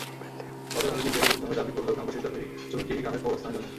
কদর আলী নিজের জমি দাবি করলেও গ্রামবাসীর দাবি, জমিটি গ্রামের কবরস্থানের জন্য।